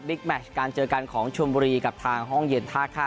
เบคแมคส์การเจอกันของชวนบุรีกับทางห้องเย็นท่าค่ะ